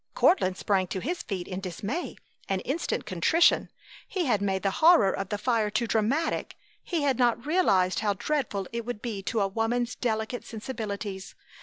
Courtland sprang to his feet in dismay and instant contrition. He had made the horror of the fire too dramatic. He had not realized how dreadful it would be to a woman's delicate sensibilities.